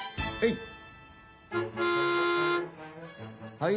「はい」